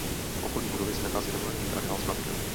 V okolí budovy se nachází rozlehlý areál s parkem.